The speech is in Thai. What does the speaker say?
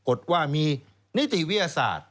ฎว่ามีนิติวิทยาศาสตร์